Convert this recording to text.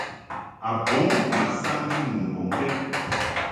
A bɔŋ ma saŋti nu mbɔŋkɛd.